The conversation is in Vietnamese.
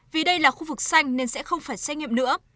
vì đây là khu vực xanh nên sẽ không phải xét nghiệm nữa